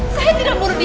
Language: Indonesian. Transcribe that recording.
saya tidak membunuh diego